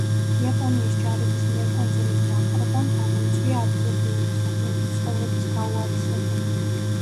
იაპონიის ჯარების მიერ კუნძულის დაპყრობამ გამოიწვია ადგილობრივი მოსახლეობის ცხოვრების გაუარესება.